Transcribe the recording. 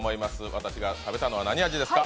私が食べたのは何味ですか？